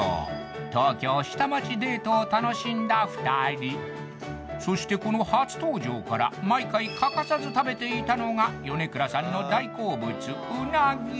東京下町デートを楽しんだ２人そしてこの初登場から毎回欠かさず食べていたのが米倉さんの大好物うなぎ！